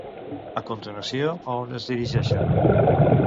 A continuació, a on es dirigeixen?